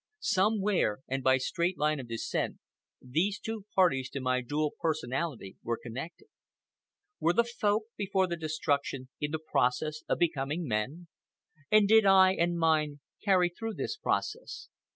Somewhere, and by straight line of descent, these two parties to my dual personality were connected. Were the Folk, before their destruction, in the process of becoming men? And did I and mine carry through this process?